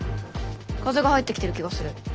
風が入ってきてる気がする。